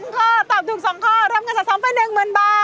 ๒ข้อตอบถูก๒ข้อเริ่มกันสัดซ้อมไปแนบ๑๐๐๐บาท